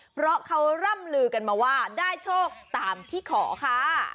เพราะเขาร่ำลือกันมาว่าได้โชคตามที่ขอค่ะ